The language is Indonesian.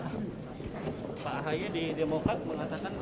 pak ahy di demokrat mengatakan